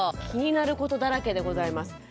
気になることだらけでございます。